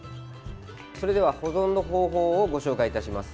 保存の方法をご紹介いたします。